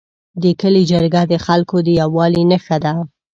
د کلي جرګه د خلکو د یووالي نښه ده.